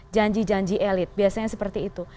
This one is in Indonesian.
janji janji elit biasanya seperti itu